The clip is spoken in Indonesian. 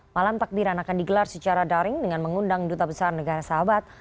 malam takbiran akan digelar secara daring dengan mengundang duta besar negara sahabat